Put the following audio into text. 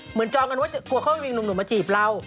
เหมือนจองกันว่ากลัวเขาไม่มีหนุ่มมาจีบเรา